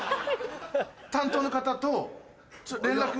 担当の方と連絡。